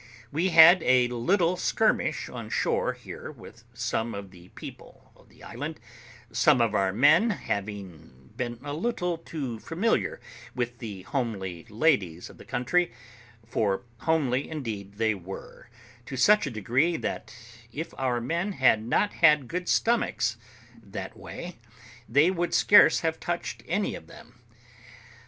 We had a little skirmish on shore here with some of the people of the island, some of our men having been a little too familiar with the homely ladies of the country; for homely, indeed, they were, to such a degree, that if our men had not had good stomachs that way, they would scarce have touched any of them.